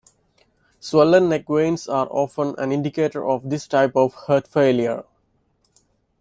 Swollen neck veins are often an indicator of this type of heart failure.